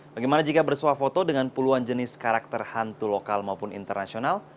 bagaimana jika bersuah foto dengan puluhan jenis karakter hantu lokal maupun internasional